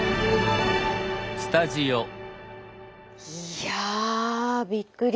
いやびっくりです。